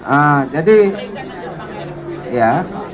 ah jadi ya